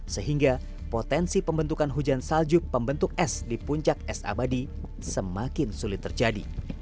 sehingga potensi pembentukan hujan salju pembentuk es di puncak es abadi semakin sulit terjadi